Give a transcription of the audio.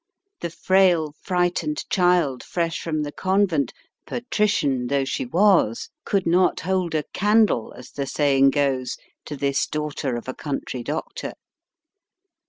The frail, frightened child fresh from the convent, patrician though she was, could not hold a candle, as the saying goes, to this daughter of a country doctor.